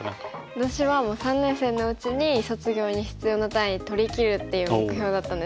私はもう３年生のうちに卒業に必要な単位取りきるっていう目標だったんですけど。